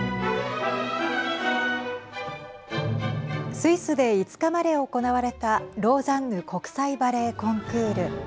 スイスで５日まで行われたローザンヌ国際バレエコンクール。